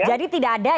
jadi tidak ada ya